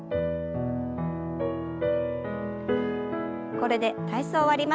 これで体操を終わります。